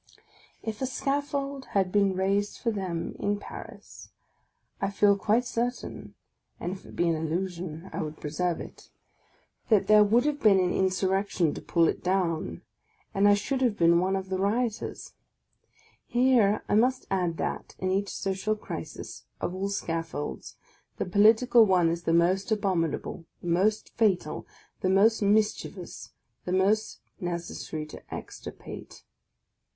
28 PREFACE OF If a scaffold had been raised for them in Paris, I feel quite certain (and if it be an illusion, I would preserve it) that there would have been an insurrection to pull it down ; and I should have been one of the rioters. Here I must add that, in each social crisis, of all scaffolds, the political one is the most abominable, the most fatal, the most mischievous, the most necessary to extirpate.